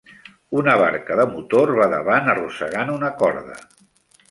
Una barca de motor va davant arrossegant una corda.